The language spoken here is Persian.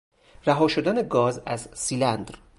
رها شدن گاز از سیلندر